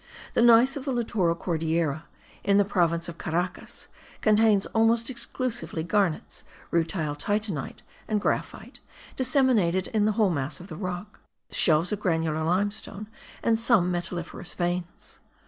The gneiss of the littoral Cordillera, in the province of Caracas, contains almost exclusively garnets, rutile titanite and graphite, disseminated in the whole mass of the rock, shelves of granular limestone, and some metalliferous veins.